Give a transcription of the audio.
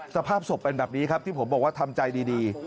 สภาพศพเป็นแบบนี้ครับที่ผมบอกว่าทำใจดี